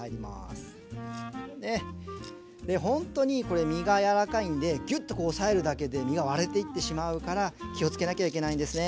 本当にこれ身が柔らかいんでギュッとこう押さえるだけで身が割れていってしまうから気をつけなきゃいけないんですね。